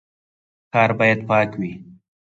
ښار باید پاک وي